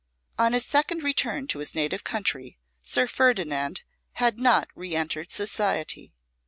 On his second return to his native country Sir Ferdinand had not re entered society.